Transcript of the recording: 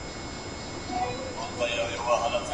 ډاکټران د پوهاوي زیاتولو هڅه کوي.